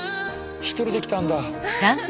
一人で来たんだ。